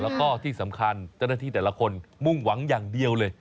แล้วก็ที่สำคัญเจ้าหน้าที่แต่ละคนมุ่งหวังอย่างเดียวเลย